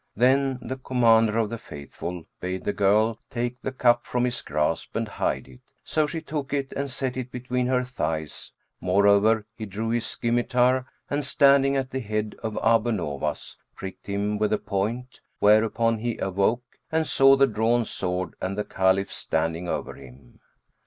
Then the Commander of the Faithful bade the girl take the cup from his grasp and hide it; so she took it and set it between her thighs, moreover he drew his scymitar and, standing at the head of Abu Nowas, pricked him with the point; whereupon he awoke and saw the drawn sword and the Caliph standing over him.